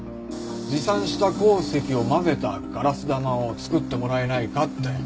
持参した鉱石を混ぜたガラス玉を作ってもらえないかって。